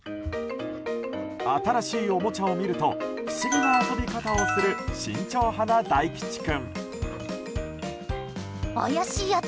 新しいおもちゃを見ると不思議な遊び方をする慎重派な、だいきち君。